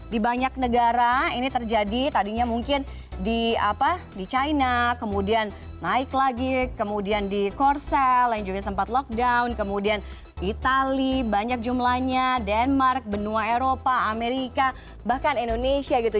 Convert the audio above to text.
di banyak negara ini terjadi tadinya mungkin di china kemudian naik lagi kemudian di korsel yang juga sempat lockdown kemudian itali banyak jumlahnya denmark benua eropa amerika bahkan indonesia gitu